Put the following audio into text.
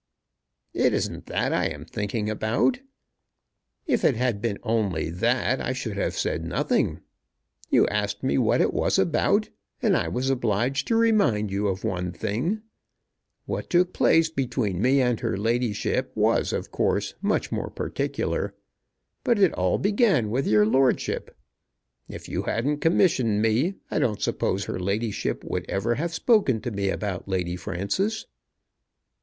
"It isn't that I am thinking about. If it had been only that I should have said nothing. You asked me what it was about, and I was obliged to remind you of one thing. What took place between me and her ladyship was, of course, much more particular; but it all began with your lordship. If you hadn't commissioned me I don't suppose her ladyship would ever have spoken to me about Lady Frances."